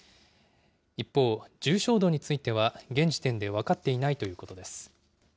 一方、重症度については現時点で分かっていないということです。